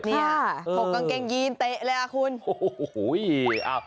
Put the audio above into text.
กางเกงงี้กรุ่นค่ะขกกางเกงยีนเตะเลยคุณ